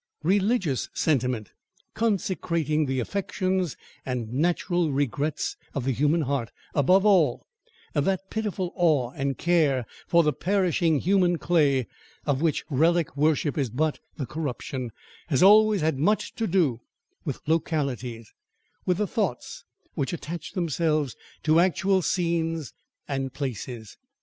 Religious sentiment, consecrating the affections and natural regrets of the human heart, above all, that pitiful awe and care for the perishing human clay, of which relic worship is but the corruption, has always had much to do with localities, with the thoughts which attach themselves to actual scenes and places.